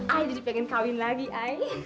ayo jadi pengen kawin lagi ay